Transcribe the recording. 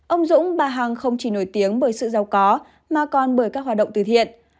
ông dũng bà hằng không chỉ nổi tiếng bởi sự giàu có mà còn bởi các hoạt động từ thiện